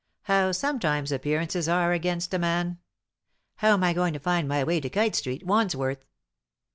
How, sometimes, appearances are against a man. How am I going to find my way to Kite Street, Wandsworth